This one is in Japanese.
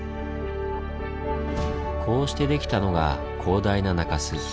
こうして出来たのが広大な中州。